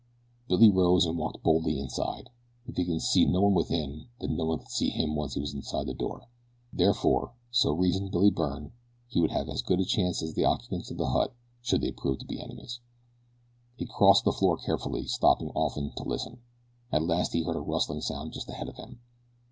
Billy rose and walked boldly inside. If he could see no one within, then no one could see him once he was inside the door. Therefore, so reasoned Billy Byrne, he would have as good a chance as the occupants of the hut, should they prove to be enemies. He crossed the floor carefully, stopping often to listen. At last he heard a rustling sound just ahead of him.